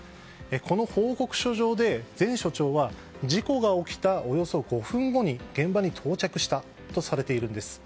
この報告書上で前署長は事故が起きたおよそ５分後に現場に到着したとされているんです。